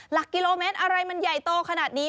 หลักกิโลเมตรอะไรมันใหญ่โตขนาดนี้